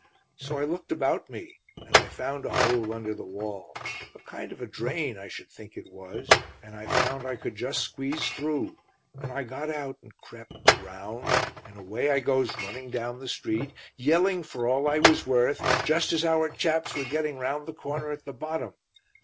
"So I looked about me, and I found a hole under the wall; a kind of a drain I should think it was, and I found I could just squeeze through. And I got out and crept, round, and away I goes running down the street, yelling for all I was worth, just as our chaps were getting round the corner at the bottom.